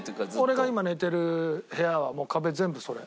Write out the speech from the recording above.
俺が今寝てる部屋は壁全部それ。